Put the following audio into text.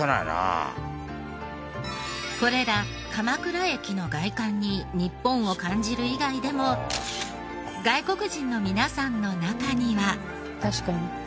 これら鎌倉駅の外観に日本を感じる以外でも外国人の皆さんの中には。